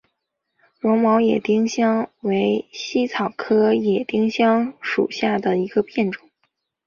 绒毛野丁香为茜草科野丁香属下的一个变种。